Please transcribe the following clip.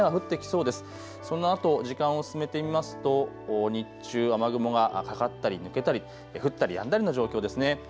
そのあと時間を進めてみますと日中、雨雲がかかったり抜けたり降ったりやんだりの状況ですね。